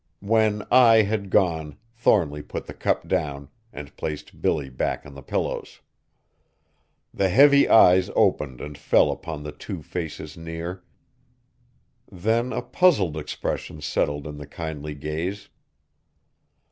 When Ai had gone Thornly put the cup down, and placed Billy back on the pillows. The heavy eyes opened and fell upon the two faces near. Then a puzzled expression settled in the kindly gaze.